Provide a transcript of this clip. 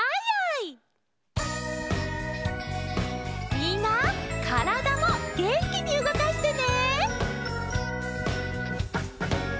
みんなからだもげんきにうごかしてね。